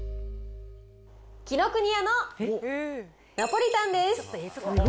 紀ノ国屋のナポリタンです。